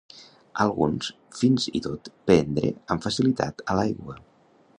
Alguns fins i tot prendre amb facilitat a l'aigua.